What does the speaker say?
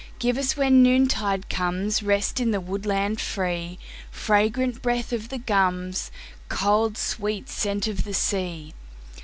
Give us when noontide comesRest in the woodland free—Fragrant breath of the gums, Cold, sweet scent of the sea.